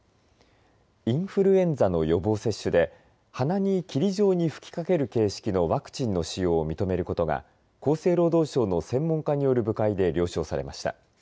インフルエンザの予防接種で鼻に霧状に吹きかける形式のワクチンの使用を認めることが厚生労働省の専門家による部会で了承されました。